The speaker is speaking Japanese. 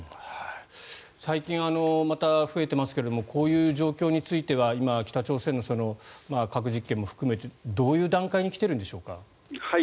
最近、また増えてますがこういう状況については今、北朝鮮の核実験も含めて、どういう段階に来ているんでしょうか。